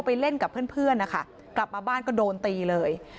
ไปเล่นกับเพื่อนนะคะกลับมาบ้านก็โดนตีเลย